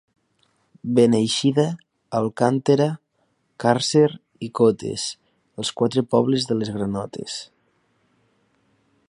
Beneixida, Alcàntera, Càrcer i Cotes, els quatre pobles de les granotes.